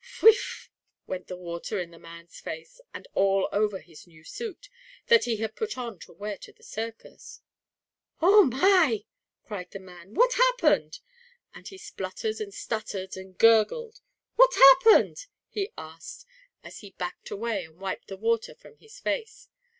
"Whewiff!" went the water in the man's face, and all over his new suit, that he had put on to wear to the circus. "Oh, my!" cried the man. "What happened?" and he spluttered and stuttered and gurgled. "What happened?" he asked, as he backed away and wiped the water from his face.